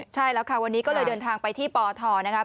ใช่แล้วค่ะวันนี้ก็เลยเดินทางไปที่ปทนะครับ